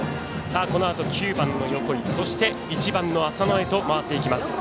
このあと９番の横井そして１番の浅野へと回っていきます。